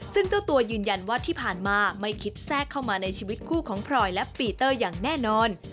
ซึ่งเจ้าตัวยืนยันว่าที่ผ่านมาไม่คิดแทรกเข้ามาในชีวิตคู่ของพลอยและปีเตอร์อย่างแน่นอน